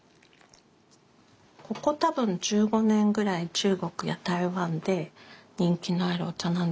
ここ多分１５年ぐらい中国や台湾で人気のあるお茶なんですけど。